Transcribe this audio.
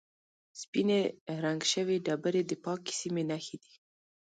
سپینې رنګ شوې ډبرې د پاکې سیمې نښې دي.